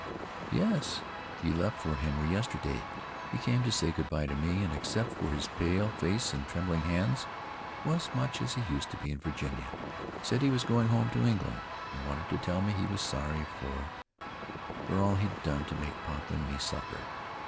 "Yes, he left Fort Henry yesterday. He came to say good bye to me, and, except for his pale face and trembling hands, was much as he used to be in Virginia. Said he was going home to England, and wanted to tell me he was sorry for for all he'd done to make papa and me suffer.